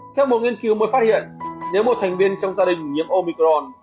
theo một nghiên cứu mới phát hiện nếu một thành viên trong gia đình nhiễm omicron